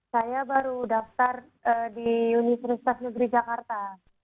saya baru daftar di universitas negeri jakarta